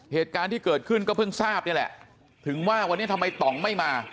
เหตุการณ์ที่เกิดขึ้นก็เพิ่งทราบนี่แหละถึงว่าวันนี้ทำไมต่องไม่มา